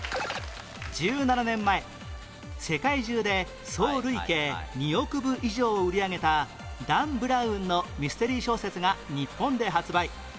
１７年前世界中で総累計２億部以上を売り上げたダン・ブラウンのミステリー小説が日本で発売